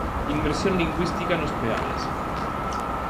"Inmersión lingüística nos Peares".